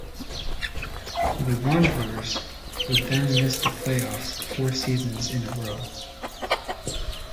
The Wanderers would then miss the playoffs four seasons in a row.